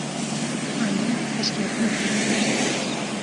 xwendin pêşketin e